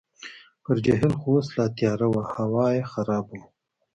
پر جهیل خو اوس لا تیاره وه، هوا یې خرابه وه.